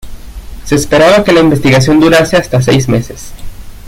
Se esperaba que la investigación durase hasta seis meses.